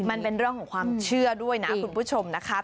มันเป็นเรื่องของความเชื่อด้วยนะคุณผู้ชมนะคะ